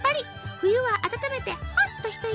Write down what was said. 冬は温めてホッと一息。